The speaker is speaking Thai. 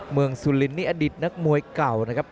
เมืองสุลินนี่อดิตนักมวยเก่านะครับ